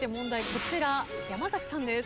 こちら山崎さんです。